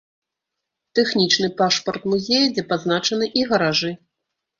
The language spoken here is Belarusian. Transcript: Тэхнічны пашпарт музея, дзе пазначаны і гаражы.